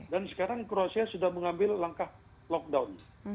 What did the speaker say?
dan sekarang kroasia sudah mengambil langkah lockdown